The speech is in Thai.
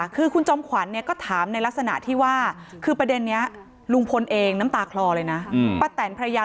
คือคุณจำขวัญก็ถามในลักษณะที่ว่าคือประเด็นนี้ลุงพลเองน้ำตาคลอเลยนะ